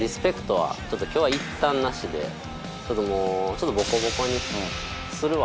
ちょっとボコボコにするわ。